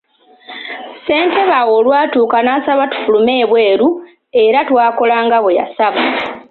Ssentebe olwatuuka n'asaba tufulume ebweru era twakola nga bwe yasaba.